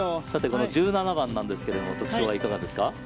この１７番なんですが特徴はいかがですか？